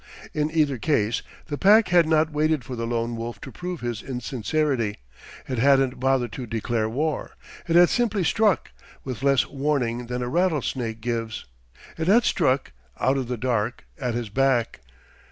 In either case, the Pack had not waited for the Lone Wolf to prove his insincerity; it hadn't bothered to declare war; it had simply struck; with less warning than a rattlesnake gives, it had struck out of the dark at his back.